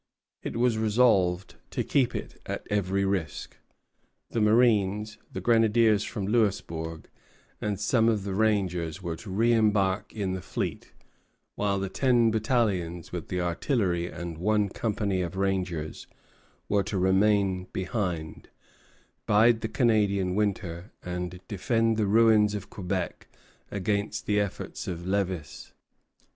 It was resolved to keep it at every risk. The marines, the grenadiers from Louisbourg, and some of the rangers were to reimbark in the fleet; while the ten battalions, with the artillery and one company of rangers, were to remain behind, bide the Canadian winter, and defend the ruins of Quebec against the efforts of Lévis.